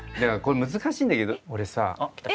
だからこれ難しいんだけど俺さ。